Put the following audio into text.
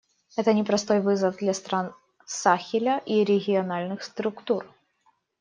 Это непростой вызов для стран Сахеля и региональных структур.